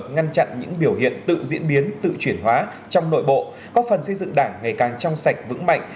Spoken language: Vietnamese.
ngăn chặn những biểu hiện tự diễn biến tự chuyển hóa trong nội bộ góp phần xây dựng đảng ngày càng trong sạch vững mạnh